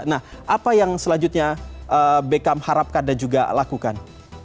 nah apa yang selanjutnya beckham harapkan dan juga lakukan